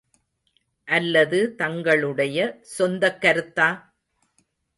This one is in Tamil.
அல்லது தங்களுடைய சொந்தக் கருத்தா?